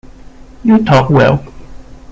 You talk well.